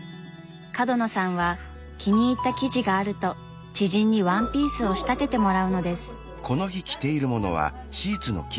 角野さんは気に入った生地があると知人にワンピースを仕立ててもらうのです。